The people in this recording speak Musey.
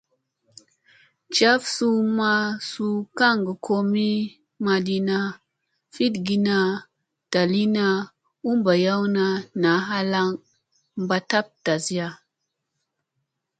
Jaf suu may suu gaŋ komi maɗina, fiɗgina, ɗaliina u mi ɓayawna naa halaŋ ba tab tasi.